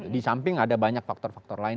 di samping ada banyak faktor faktor lain